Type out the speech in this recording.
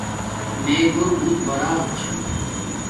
میں گھور بوت براک چھا